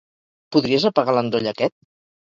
Podries apagar l'endoll aquest?